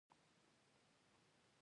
لکه سټریپټومایسین.